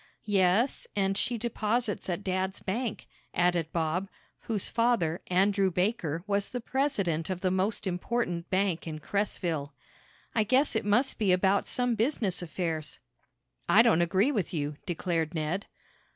"Yes, and she deposits at dad's bank," added Bob, whose father, Andrew Baker, was the president of the most important bank in Cresville. "I guess it must be about some business affairs." "I don't agree with you," declared Ned.